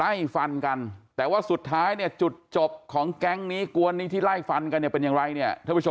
โอ้ยนั่นไงว่าแล้วเป็นไงเดือดร้อนคนอื่นเข้าไปอีก